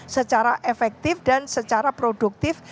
secara efektif dan secara produktif